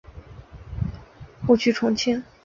后去重庆。